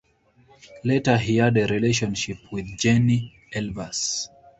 Later he had a relationship with Jenny Elvers.